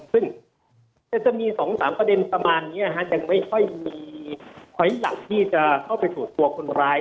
ซึ่งจะมี๒๓ประเด็นประมาณนี้ยังไม่ค่อยมีถอยหลังที่จะเข้าไปตรวจตัวคนร้าย